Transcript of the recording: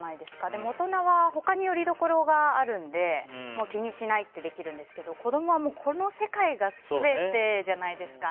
でも、大人は他によりどころがあるので気にしないってできるんですけど子供はこの世界が全てじゃないですか。